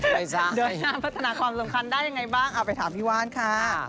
เดินหน้าพัฒนาความสำคัญได้ยังไงบ้างเอาไปถามพี่ว่านค่ะ